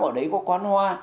ở đấy có quán hoa